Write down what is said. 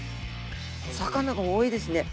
魚が多いですね。